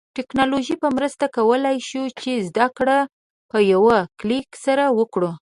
د ټیکنالوژی په مرسته کولای شو چې زده کړه په یوه کلیک سره وکړو